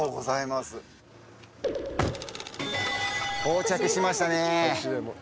到着しましたね。